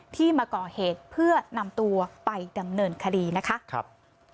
ที่มาก่อเหตุเพื่อนำตัวไปดำเนินคดีนะคะ